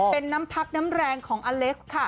เป็นน้ำพักน้ำแรงของอเล็กซ์ค่ะ